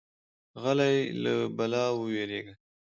غلی، له بلا ووېریږي.